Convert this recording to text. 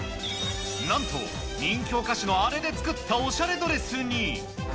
なんと、人気お菓子のあれで作ったおしゃれドレスに。